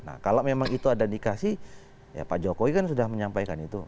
nah kalau memang itu ada dikasih ya pak jokowi kan sudah menyampaikan itu